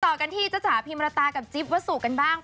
ต่อกันที่จ้าจ๋าพิมรตากับจิ๊บวัสสุกันบ้าง